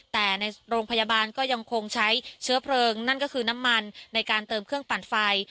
แต่ในโรงพยาบาลก็ยังคงใช้เชื้อเพลิงนั่นก็คือน้ำมันในการเติมเครื่องปั่นไฟ